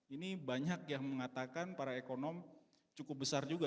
ini banyak yang mengatakan para ekonom cukup besar juga